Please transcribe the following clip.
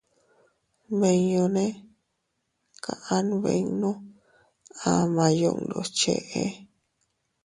Nmiñune kaʼa nbinnu ama yundus cheʼe.